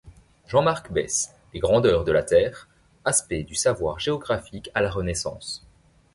Jean-Marc Besse Les grandeurs de la terre: aspects du savoir géographique à la renaissance.